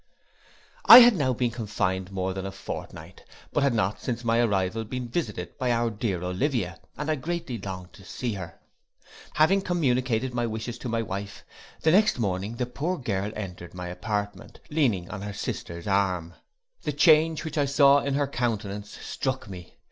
I had now been confined more than a fortnight, but had not since my arrival been visited by my dear Olivia, and I greatly longed to see her. Having communicated my wishes to my wife, the next morning the poor girl entered my apartment, leaning on her sister's arm. The change which I saw in her countenance struck me.